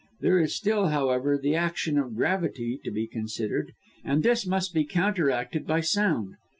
There is still, however, the action of gravity to be considered, and this must be counteracted by sound.